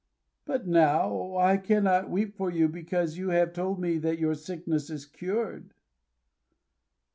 But now I cannot weep for you, because you have told me that your sickness is cured."